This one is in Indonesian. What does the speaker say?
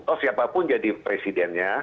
oh siapapun jadi presidennya